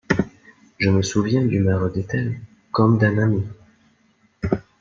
Je me souviens du maire d'Etel comme d'un ami.